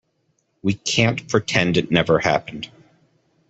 We can't pretend it never happened.